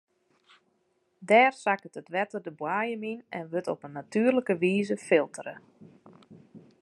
Dêr sakket it wetter de boaiem yn en wurdt it op natuerlike wize filtere.